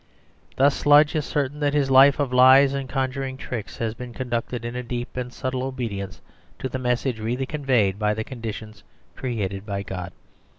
Thus Sludge is certain that his life of lies and conjuring tricks has been conducted in a deep and subtle obedience to the message really conveyed by the conditions created by God.